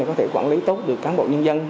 có thể quản lý tốt được cán bộ nhân dân